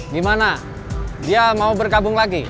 dimana dia mau berkabung lagi